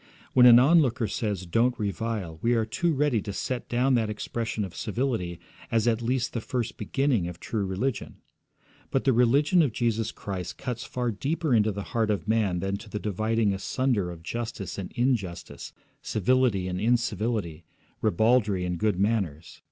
When an onlooker says 'Don't revile,' we are too ready to set down that expression of civility as at least the first beginning of true religion. But the religion of Jesus Christ cuts far deeper into the heart of man than to the dividing asunder of justice and injustice, civility and incivility, ribaldry and good manners.